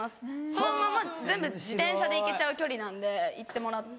そのまま全部自転車で行けちゃう距離なんで行ってもらって。